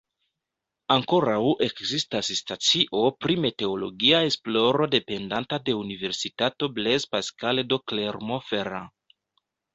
Ankoraŭ ekzistas stacio pri meteologia esploro dependanta de universitato Blaise Pascal de Clermont-Ferrand.